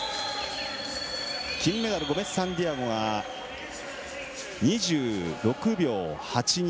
金メダル、ゴメスサンティアゴが２６秒８２。